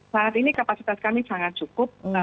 saat ini kapasitas kami sangat cukup